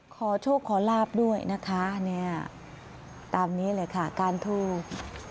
ขอโชคขอลาบด้วยนะคะเนี่ยตามนี้เลยค่ะการทูบ